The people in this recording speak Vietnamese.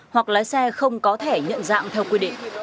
hoặc lái xe không có thẻ nhận dạng theo quy định